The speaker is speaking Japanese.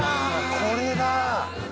これだ！